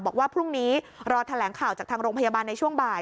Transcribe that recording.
บอกว่าพรุ่งนี้รอแถลงข่าวจากทางโรงพยาบาลในช่วงบ่าย